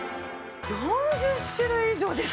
４０種類以上ですか。